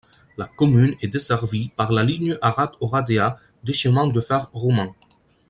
La commune est desservie par la ligne Arad-Oradea des Chemins de fer roumains.